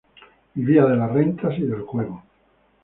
Vivía de las rentas y del juego".